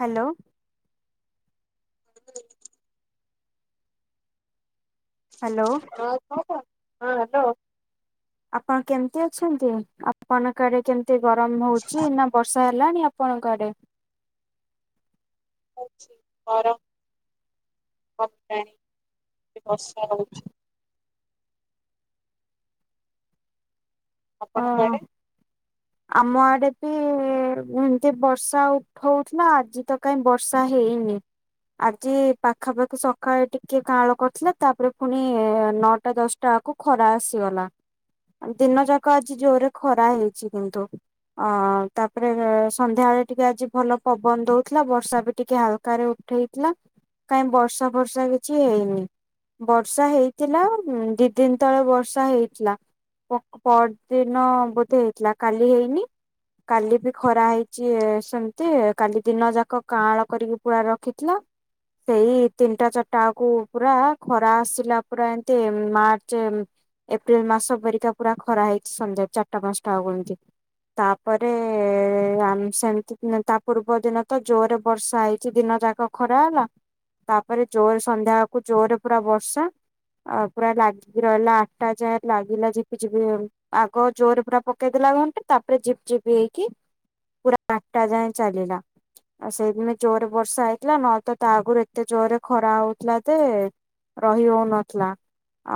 Hello. ହଣ hello. ହଁ [unintelligible] ହଁ ହ୍ୟାଲୋ। ଆପଣ କେମିତି ଅଛନ୍ତି ଆପଣ ଆଡ଼େ କେମତି ଗରମ ହଉଛି ନା ବ ବର୍ଷା ହେଲାଣି ଆପଣଙ୍କ ଆଡେ [unintelligible] [unintelligible] ବର୍ଷା ହଉଚି। ଅ ଆପଣ କୁଆଡେ? ଆମ ଆଡେ ବି ଏମିତି ବର୍ଷା ହଉଥିଲା ଆଜି ତ କାହିଁ ବର୍ଷା ହେ ହେଇନି। ଆଜି ପାଖାପାଖି ସକାଳେ ଟିକେ କାଁଳ କରିଥିଲା ତାପରେ ପୁଣି ନଅଟା ଦଶଟା ଖରା ଆସିଗଲା ଦିନ ଯାକ ଆଜି ଜୋରରେ ଖରା ହେଇଛି କିନ୍ତୁ। ଅ ତାପରେ ସନ୍ଧ୍ୟାବେଳେ ଟିକେ ଆଜି ଭଲ ପବନ ଦଉଥିଲା ବର୍ଷା ବି ଟିକେ ହାଲକାରେ ଉଠେଇଥିଲା କାଇହିଁ ବର୍ଷା ଫର୍ଷା କିଛି ହେଇନି। ବର୍ଷା ହେଇଥିଲା ଦି ଦିନ ତଳେ ବର୍ଷା ହେଇଥିଲା ପ ପର ଦିନ ବୋଧେ ହେଇଥିଲା କାଲି ହେଇନି। କାଲି ବି ଖରା ହେଇଛି ସେମିତି କାଲି ଦିନ ଯାକ କାଁଳ କରିକି ପୁରା ରଖିଥିଲା। ସେଇ ତିନିଟା ଚାରିଟାକୁ ପୁରା ଖରା ଆସିଲା ପୁରା ଏମିତି ମାର୍ଚ୍ଚ ଏପ୍ରିଲ ମାସ ପରିକା ପୁରା ଖରା ହେଇଛି ସନ୍ଧ୍ୟା ଚାରିଟା ପାଞ୍ଚଟା ହବ ଏମିତି। ତାପରେ ଆ ସେମିତି ତା ପୂର୍ବ ଦିନ ତ ଜୋରେ ବର୍ଷା ହେଇଛି ଦିନ। ଯାକ ଖରା ହେଲା ତାପରେ ଜୋର ସନ୍ଧ୍ୟା ଆଳକୁ ଜୋରରେ ପୁରା ବର୍ଷା। ଅ ପୁରା ଲାଗି ରହିଲା ଆଠଟା ଯାଏ ଲାଗିିଲ ଯେ ଝିପି ଝିପି [unintelligible] ଆଗ ଜୋର ପୁରା ପକେଇ ଦେଲା ଘଣ୍ଟେ ତାପରେ ଜିପି ଜିପି ହେଇକି ପୁର ଆଟା ଜାଏ ଚାଲିଲା। ଆଉ ସେଇଦିନେ ଜୋରରେ ବର୍ଷା ହେଇଥିଲା ନହେଲେତ ତା ଆଗରୁ ଏତେ ଜୋରରେ ଖରା ହଉଥିଲା ଯେ ରହି ହଉନଥିଲା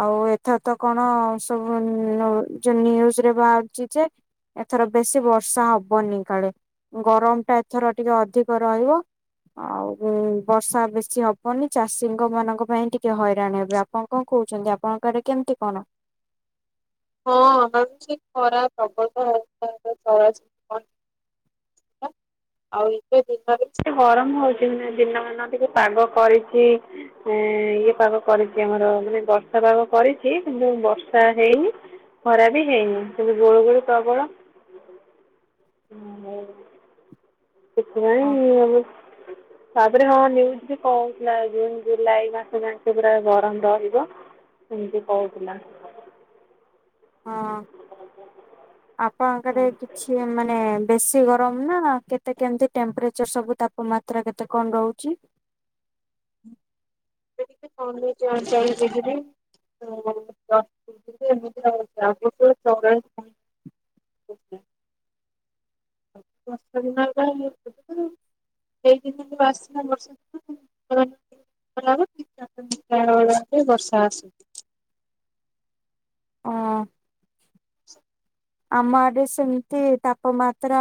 ଆଉ ଏଥର ତ କଣ ସବୁ ନ ଯୋଉ ନ୍ୟୁଜରେ ବାହାରୁଛି ଯେ ଏଥର ବେଶୀ ବର୍ଷା ହବନି କାଳେ ଗରମଟା ଏଥର ଟିକେ ଅଧିକ ରହିବ। ଆଉ ଉଁ ବର୍ଷା ବେଶି ହବନି ଚାଷୀଙ୍କ ମାନଙ୍କ ପାଇଁ ଟିକେ ହଇରାଣ ହେବେ ଆପଣ କଣ କ କହୁଛନ୍ତି ଆପଣଙ୍କ ଏଡେ କେମିତି କଣ? ହଁ ଆମର ଖରା ପ୍ରବଳ। [unintelligible] [unintelligible] ଆଉ ଏବେ ଦିନରେ [unintelligible] ଗରମ ହଉଛି ଦିନମାନ ଟିକେ ପାଗ କରିଛି। [inaudible] ଇଏ ପାଗ କରିଛି ଆମର ମାନେ ବର୍ଷା ପାଗ କରିଛି କିନ୍ତୁ ବର୍ଷା ହେଇନି। ଖରା ବି ହେଇନି କିନ୍ତୁ ଗୁଳିଗୁଳି ପ୍ରବଳ। ଓହୋ। ସେଥିପାଇଁ। [unintelligible] ତାପରେ ହଁ ନ୍ୟୁଜ ବି କହୁଥିଲା ଜୁନ ଜୁଲାଇ ମାସରେ ଯାକେ ପୁରା ଗରମ ରହିବ। ସେମିତି କହୁଥିଲା। ହଁ ଆପଣଙ୍କରେ କିଛି ମାନେ। ବେଶୀ ଗରମ ନା କେତେ କେମତି ଟେମ୍ପରେଚର ସବୁ ତାପମାତ୍ରା କେତେ କଣ ରହୁଛି? [unintelligible] ଟିକେ କମିଛି ଅଡ଼ଚାଲିଶି ଡିଗ୍ରୀ। [unintelligible] [unintelligible] [unintelligible] [unintelligible] [unintelligible] ବର୍ଷା ଆସୁଛି। ହଁ। [unintelligible] [unintelligible] ଆମ ଆଡ଼େ ସେମିତି ତାପ ମାତ୍ରା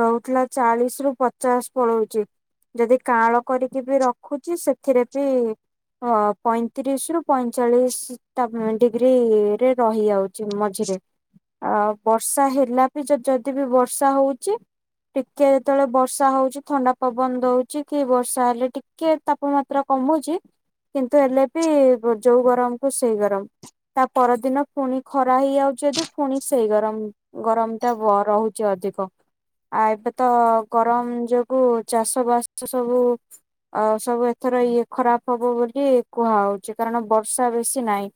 ରହୁଥିଲା ଚାଳିଶ ରୁ ପଚାଶ ପଳଉଛି। ଯଦି କାଁଳ କରିକି ବି ରଖୁଛି ସେଥିରେ ବି ଅ ପଇଁତିରିଶ ରୁ ପଇଁଚାଳିଶ ତା ଡିଗ୍ରୀ ରେ ରହିଯାଉଛି ମଝିରେ ଆଉ ବର୍ଷା ହେଲା ବି ଯଦି ବି ବର୍ଷା ହଉଛି ଟିକେ ଯେତେବେଳେ ବର୍ଷା ହଉଛି ଥଣ୍ଡା ପବନ ଦଉଛି କି ବର୍ଷା ହେଲେ ଟିକେ ତାପମାତ୍ରା କ କମୁଛି କିନ୍ତୁ ହେଲେ ବି ଯୋଉଁ ଗରମ କୁ ସେଇ ଗରମ। ତା ପରଦିନ ପୁଣି ଖରା ହେଇଯାଉଛି ଯେ ପୁଣି ସେଇ ଗରମ ଗରମ ଟା ରହୁଛି ଅଧିକ ଆଉ ଏବେ ତ ଗରମ ଯୋଗୁଁ ଚାଷ ବାସ ସବୁ ଆଉ ସବୁ ଏଥର ଇଏ ଖରାପ ହବ ବୋଲି କୁହାହଉଛି କାରଣ ବର୍ଷା ବେଶୀ ନାହିଁ।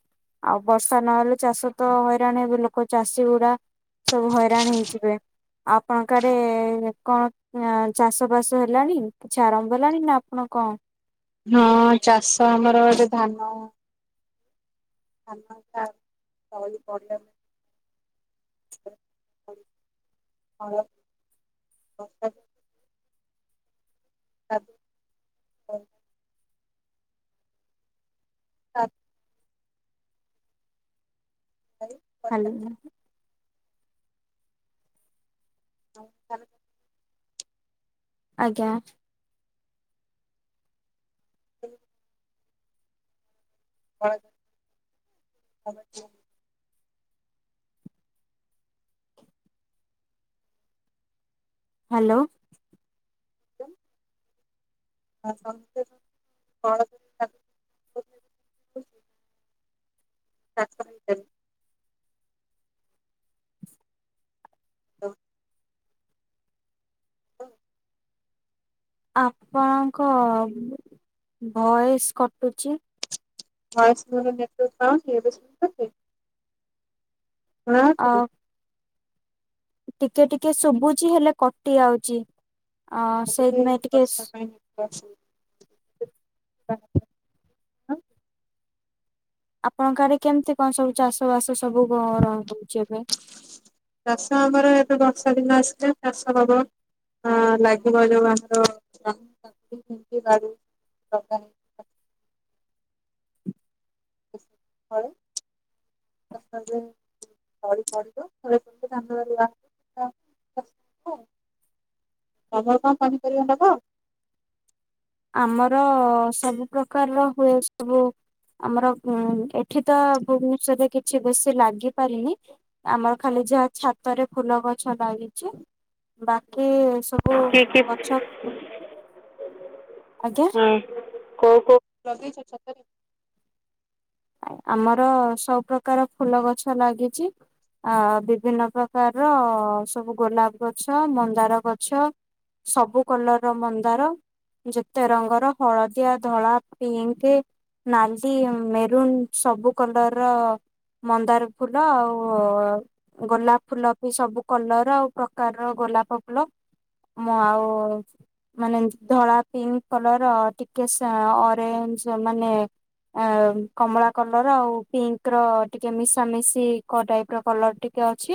ଆଉ ବର୍ଷା ନହେଲେ ଚାଷ ତ ହଇରାଣ ହେବ ଲୋକ ଚାଷୀ ଗୁଡ଼ା। ସବୁ ହଇରାଣ ହେଇଯିବେ। ଆପଣଙ୍କ ଆଡ଼େ କଣ ଚାଷ ବାସ ହେଲାଣି କିଛି ଆରମ୍ଭ ହେଲାଣି ନା ଆପଣ କଣ? ହଁ ଚାଷ ଆମର ଏଠି ଧାନ [unintelligible] ତଳି ପଡିଲାଣି। ଆ [unintelligible] [unintelligible] [unintelligible] [unintelligible] ନଁ [unintelligible] ଆଜ୍ଞା। ହଲ [unintelligible] ଆ [unintelligible] ହ୍ୟାଲୋ। ଆ କଣ [unintelligible] [unintelligible] [inaudible] ଆପଣଙ୍କ ଭଏସ କଟୁଛି। ଭଏସ ମୋର ନେଟୱାକ ପାଉନି ଏବେ ଶୁଭୁଚି? ଶୁଣା ଅ ହେଉଚି ଟି? ଟିକେ ଟିକେ ଶୁଭୁଛି ହେଲେ କଟି ଆଉଛି। [unintelligible] ବର୍ଷା ପାଇଁ [unintelligible] [inaudible] ଆପଣଙ୍କ ଆଡେ କେମିତି କଣ ସବୁ ଚାଷ ବାସ ସ ଚାଷ ଆମର ଏବେ ବର୍ଷା ଦିନ ଆସିଲା ଚାଷ ହବ ହଁ ଲାଗିବ ଯୋଉଁ ଆମର ଜନି କାକୁଡି ଭେଣ୍ଡି ବାଡ଼ି [inaudible] [inaudible] ତଳି ପଡିବ ଧାନ ରୁହା ହବ। ତମର କଣ ପନିପରିବା ନବ? ଆମର ସବୁ ପ୍ରକାରର ହୁଏ ସବୁ ଆମର ଏଠି ତ ଭୁବନେଶ୍ଵରରେ କିଛି ବେଶୀ ଲାଗିପାରିନି ଆମର ଖାଲି ଯାହା ଛାତରେ ଫୁଲ ଗଛ ଲାଗିଛି। ବାକି ଏ ସବୁ କି କି ଗଛ ଆଜ୍ଞା ହଁ କୋଉଁ କୋଉଁ ଲଗେଇଛ ଛାତରେ? ଆମର ସବୁପ୍ରକାର ଫୁଲ ଗଛ ଲାଗିଛି। ଆ ଆ ବିଭିନ୍ନ ପ୍ରକାରର ସବୁ ଗୋଲାପ ଗଛ ମନ୍ଦାର ଗଛ ସବୁ କଲର ର ମନ୍ଦାର ଯେତେ ରଙ୍ଗର ହଳଦିଆ ଧଳା ପିଙ୍କ ନାଲି ମେରୁ ଜୁନ ସବୁ କଲର ର ମନ୍ଦାର ଫୁଲ ଆଉ ଗୋଲାପ ଫୁଲ ବି ସବୁ କଲର ଆଉ ପ୍ରକାରର ଗୋଟ ଗୋଲାପ ଫୁଲ ମୁଁ ଆଉ ମାନେ ଧଳା ପିଙ୍କ କଲର ଟିକେ ସାଇ ଅରେଞ୍ଜ । ଜିନିଷ ମାନେ ହେ କମଳା କଲର ଆଉ ପିଙ୍କ ର ଟିକେ ମିଶାମିଶି କଟାଇପ ର କଲର ଟିକେ ଅଛି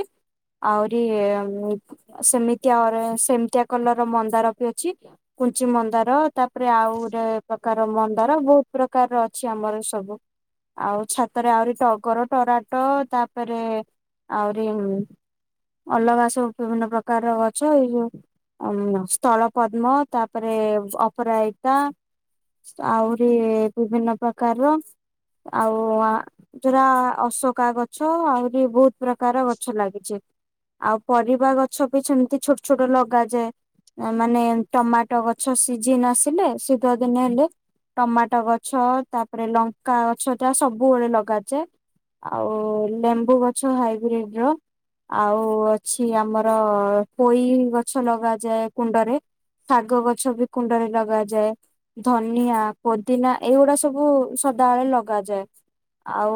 ଆହୁରି ସେମିତିଆ ଅରେଞ୍ଜ ସେମିତିଆ କଲର ମନ୍ଦାର ବି ଅଛି କୁଞ୍ଚି ମନ୍ଦାର ତାପରେ ଆଉ ଗୋଟେ ପ୍ରକାର ମନ୍ଦାର ବହୁତ ପ୍ରକାରର ଅଛି ଆମର ସବୁ ଆଉ ଛାତରେ ଆହୁରି ଟଗର ଟରାଟ ତାପରେ ଆହୁରି ଅଲଗା ସବୁ ବିଭିନ୍ନ ପ୍ରକାରର ଗଛ ଏଇ ଯୋଉ ହୁଁ ସ୍ଥଳ ପଦ୍ମ ତାପରେ ଅପରାଜିତା ଆହୁରି ବିଭିନ୍ନ ପ୍ରକାରର ଆଉ ଜଉରା ଅଶୋକା ଗଛ ଆହୁରି ବହୁତ ପ୍ରକାର ଗଛ ଲାଗିଛି ଆଉ ପରିବା ଗଛ ବି ସେମିତି ଛୋଟ ଛୋଟ ଲଗାଯାଏ ମାନେ ଟମାଟୋ ଗଛ ସିଝି ନସିଲେ ଶୀତ ଦିନେ ହେଲେ ଟମାଟୋ ଗଛ ତାପରେ ଲଙ୍କା ଗଛ ଟା ସବୁବେଳେ ଲଗାଯାଏ। ଆଉ ଲେମ୍ବୁ ଗଛ ହାଇବ୍ରିଡ ଆଉ ଅଛି ଆମର ପୋଇ ଗଛ ଲଗାଯାଏ କୁଣ୍ଡରେ ଶାଗ ଗଛ ବି କୁଣ୍ଡରେ ଲଗାଯାଏ ଧନିଆ ପୋଦିନା ଏଇଗୁଡା ସବୁ ସ ଡ଼ାଳେ ଲଗାଯାଏ ଆଉ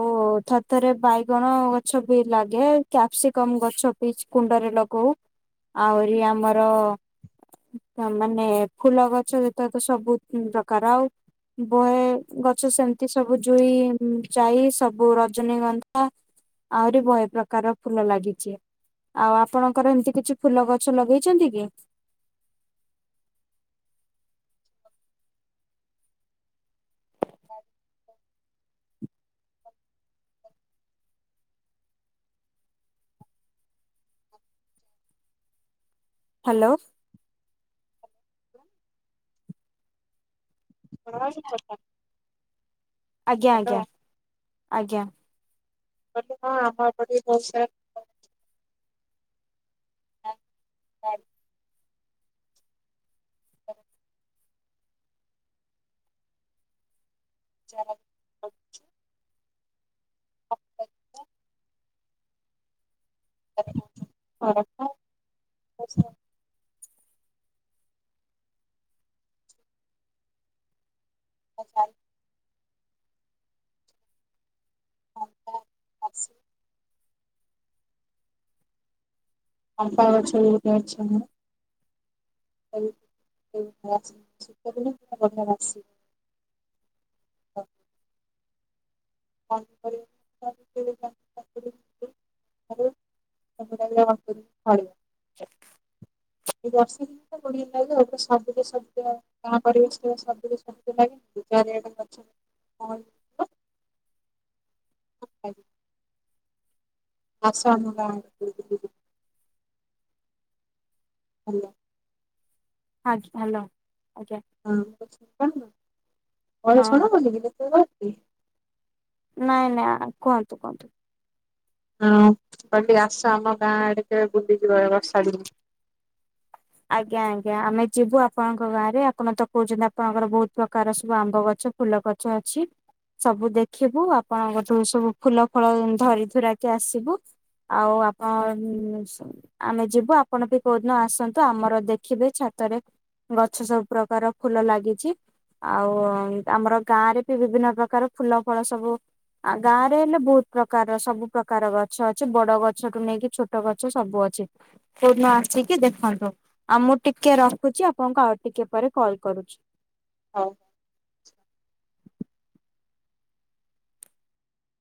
ଥରେ ଥରେ ବାଇଗଣ ଗଛ ବି ଲାଗେ କ୍ୟାପସିକମ ଗଛ ବି କୁ କୁଣ୍ଡରେ ଲଗଉ ଆହୁରି ଆମର ତ ମାନେ ଫୁଲ ଗଛ ଯେତେ ତ ସବୁ ପ୍ରକାର ଆଉ ବହେ ଗଛ ସେମିତି ଏମିତି ସବୁ ଜୁଇ ଯାଇ ସବୁ ରଜନୀଗନ୍ଧା ଆହୁରି ବହେ ପ୍ରକାର ଫୁଲ ଲାଗିଛି। ଆଉ ଆପଣଙ୍କର ଏମିତି କିଛି ଫୁଲ ଗଛ ଲଗେଇଛନ୍ତି କି? [inaudible] [unintelligible] ହ୍ୟାଲୋ! ହ [unintelligible] ଆଜ୍ଞା ଆଜ୍ଞା ଆଜ୍ଞା। ବଣୁ ଆମପଡି ବହୁ [unintelligible] [unintelligible] [unintelligible] [unintelligible] ଆଛା। କଣ୍ଟା ଅଛ ବହୁତ [unintelligible] ହ [unintelligible] [unintelligible] ଏ ବର୍ଷ କୋଡିଏ ଦିନ ଲାଗେ ଆଉଟ ଶବୁଦ ଶବ୍ଦ କଣା ପଡିବ ସେ ଶବୁଦ ଶବ୍ଦ ଲାଗେ [unintelligible] [inaudible] [unintelligible] ଆସ ଆମ ଗାଁ ବୁଲିକି ଯିବ। ହାଲୋ। ଆଜ୍ଞା ହ୍ୟାଲୋ। ଆଜ୍ଞା ହଁ ବ କଣ ହଁ ହେଲା ବ୍ୟସ୍ତ [unintelligible] ନାଇଁ ନାଇଁ କୁହନ୍ତୁ କୁହନ୍ତୁ। ହଁ କହିଁଲି ଟିକେ ଆସ ଆମ ଗାଁ ଆଡେ କେବେ ବୁଲିଯିବ ରହ ବର୍ଷାଡିକ ଆଜ୍ଞା ଆଜ୍ଞା ଆମେ ଯିବୁ ଆପଣଙ୍କ ଗାଁରେ ଆପଣ ତ କହୁଛନ୍ତି ଆପଣଙ୍କର ବହୁତ ପ୍ରକାର ସବୁ ଆମ୍ବ ଗଛ ଗଛ ଫୁଲ ଗଛ ଅଛି ସବୁ ଦେଖିବୁ ଆପଣଙ୍କଠୁ ସବୁ ଫୁଲ ଫଳ ଧରି ଧୁରାକି ଆସିବୁ। ଆଉ ଆପଣ ଉ ସ୍ ଆମେ ଯିବୁ ଆପଣ ବି କୋଉଦିନ ଆସନ୍ତୁ। ତ ଆମର ଦେଖିବେ ଛାତରେ ଗଛ ସବୁ ପ୍ରକାର ଫୁଲ ଲାଗିଛି। ଆଉ ଆମର ଗାଁ ରେ ବି ବିଭିନ୍ନ ପ୍ରକାର ଫୁଲ ଫଳ ସବୁ ଆ ଗାଁ ରେ ହେଲେ ବହୁତ ପ୍ରକାରର ସବୁ ପ୍ରକାର ଗଛ ଅଛି। ବଡ ଗଛ ଠୁ ନେଇକି ଛୋଟ ଗଛ ସବୁ ଅଛି ମ୍ ଅଛି କୋଉଦିନ ଆସିକି ଦେଖନ୍ତୁ। ଆଉ ମୁଁ ଟିକେ ରଖୁଛି ଆପଣଙ୍କୁ ଆଉ ଟିକେ ପରେ କଲ କରୁଛି। ହଉ।